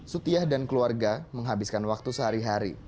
sutiah dan keluarga menghabiskan waktu sehari hari